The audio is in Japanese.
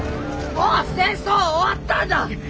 もう戦争は終わったんだ！